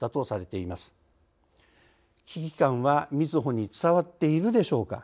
危機感はみずほに伝わっているでしょうか。